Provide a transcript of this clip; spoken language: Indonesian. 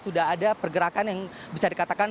sudah ada pergerakan yang bisa dikatakan